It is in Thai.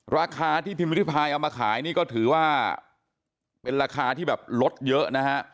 ราคาที่พิมพ์รีไพรเอามาขายก็ถือว่าเป็นราคาที่ลดเยอะนะ